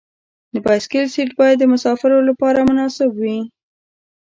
د بایسکل سیټ باید د مسافر لپاره مناسب وي.